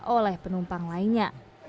oleh penumpang lainnya